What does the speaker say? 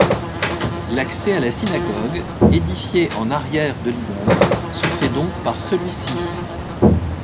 L'accès à la synagogue, édifiée en arrière de l'immeuble, se fait donc par celui-ci.